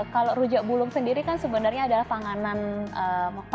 kalau rujak bulung sendiri kan sebenarnya adalah makanan makanan